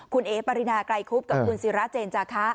คุณเอ๋ปรินาไกรคุบกับคุณศิราเจนจาคะ